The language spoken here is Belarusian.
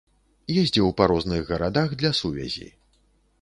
Ездзіў па розных гарадах для сувязі.